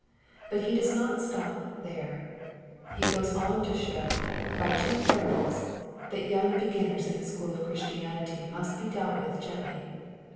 But He does not stop there. He goes on to show, by two parables, that young beginners in the school of Christianity must be dealt with gently.